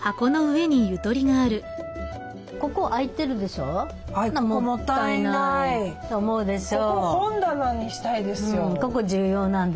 ここもったいない！と思うでしょ。